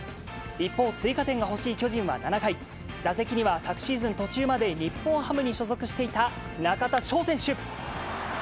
一方、追加点が欲しい巨人は７回、打席には昨シーズン途中まで日本ハムに所属していた中田翔選手。